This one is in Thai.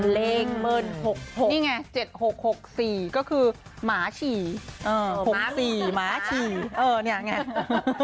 เลขเมิ้น๖๖๔ก็คือหมาฉี่หมาฉี่หมาฉี่เออเนี่ย